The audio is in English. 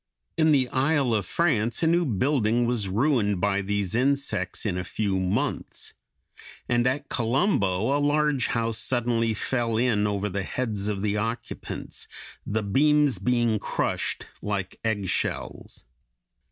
In the Isle of France a new building was ruined by these insects in a few months; and at Colombo a large house suddenly fell in over the heads of the occupants, the beams being crushed like egg shells.